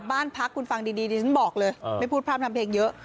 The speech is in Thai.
บ้านพักคุณฟังดีดิฉันบอกเลยไม่พูดพร่ำทำเพลงเยอะ